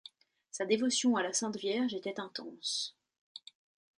Sa dévotion à la Sainte Vierge était intense.